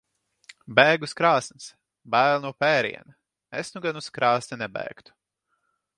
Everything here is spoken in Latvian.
Bēg uz krāsns. Bail no pēriena. Es nu gan uz krāsni nebēgtu.